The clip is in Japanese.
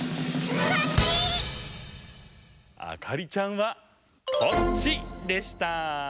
あかりちゃんはこっちでした！